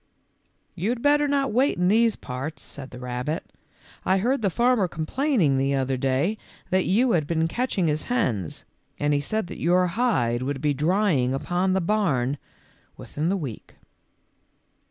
You had better not wait in these parts," said the rabbit ;" I heard the farmer complain ing the other day that you had been catching his hens, and he said that your hide would be drying upon the barn within a week."